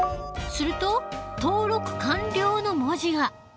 すると「登録完了」の文字が。